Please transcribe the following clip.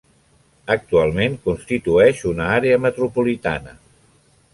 Actualment constitueix una Àrea Metropolitana.